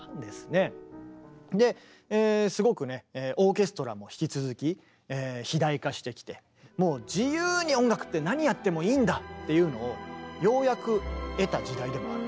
ですごくねオーケストラも引き続き肥大化してきてもう自由に「音楽って何やってもいいんだ！」っていうのをようやく得た時代でもある。